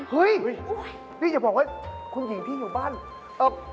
เฮ้ยนี่อย่าบอกว่าคุณหญิงที่อยู่บ้านเออ